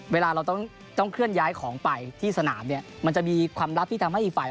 เวลาเราต้องเคลื่อนย้ายของไปที่สนามเนี่ยมันจะมีความลับที่ทำให้อีกฝ่าย